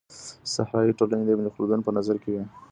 صحرايي ټولني د ابن خلدون په نظر کي وې.